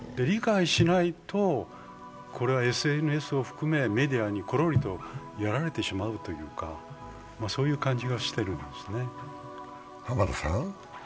理解しないと、これはＳＮＳを含めメディアにコロリとやられてしまうというか、そういう感じがしてるんですね。